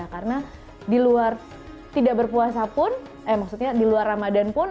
karena di luar tidak berpuasa pun eh maksudnya di luar ramadan pun